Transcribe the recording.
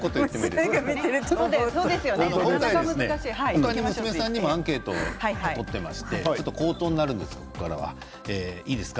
他に娘さんにもアンケートを取っていまして口頭になるんですけれどもいいですか？